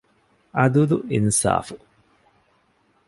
ޢަދުލު އިންޞާފު